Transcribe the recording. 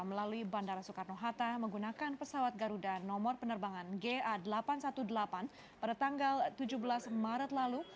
melalui bandara soekarno hatta menggunakan pesawat garuda nomor penerbangan ga delapan ratus delapan belas pada tanggal tujuh belas maret lalu